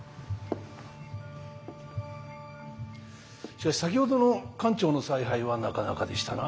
しかし先ほどの艦長の采配はなかなかでしたな。